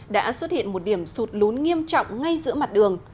đã xuất hiện một điểm sụt lún nghiêm trọng ngay giữa mặt đường